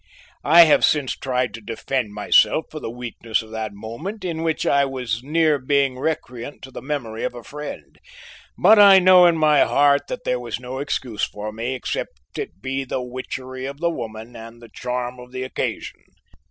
I have since tried to defend myself for the weakness of that moment in which I was near being recreant to the memory of a friend, but I know in my heart that there was no excuse for me except it be the witchery of the woman and the charm of the occasion.